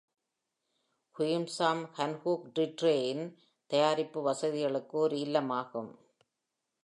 குயும்சாம் ஹன்கூக் டிர்ரேவின் தயாரிப்பு வசதிகளுக்கு ஒரு இல்லமாகும்.